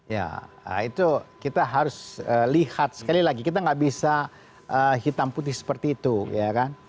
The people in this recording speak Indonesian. ya itu kita harus lihat sekali lagi kita nggak bisa hitam putih seperti itu ya kan